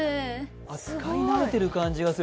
扱い慣れてる感じがする。